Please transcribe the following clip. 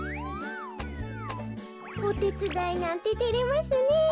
おてつだいなんててれますねえ。